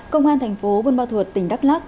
công an thành phố vân ba thuật tỉnh đắk lắc